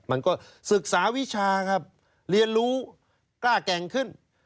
มันก็ศึกษาวิชาครับเรียนรู้กล้าแก่งขึ้น